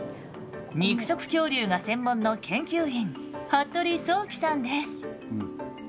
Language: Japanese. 肉食恐竜が専門の研究員服部創紀さんです。